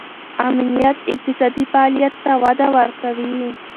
امنیت اقتصادي فعالیت ته وده ورکوي.